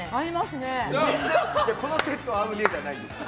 セット合うねじゃないんですよ。